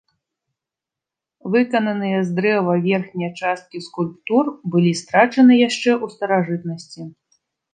Выкананыя з дрэва верхнія часткі скульптур былі страчаны яшчэ ў старажытнасці.